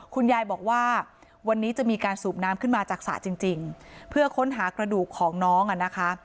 คุณยายบอกว่าวันนี้จะมีการสูบน้ำขึ้นมาจากสระจริงเพื่อค้นหากระดูกของน้องอ่ะนะคะ